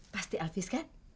pasti elfries kan silahkan duduk